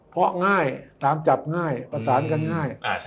เพราะง่ายตามจับง่ายประสานกันง่าย